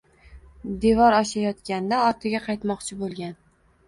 Devor oshayot-ganda ortiga qaytmoqchi bo‘lgan